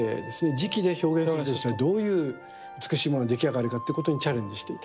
磁器で表現するとしたらどういう美しいものに出来上がるかということにチャレンジしていた。